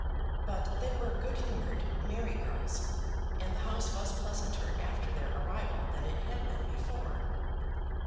But they were good humoured, merry girls, and the house was pleasanter after their arrival than it had been before.